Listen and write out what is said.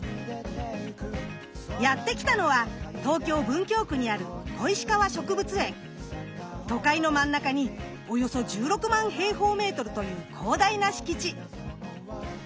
やって来たのは東京・文京区にある都会の真ん中におよそ１６万平方メートルという広大な敷地。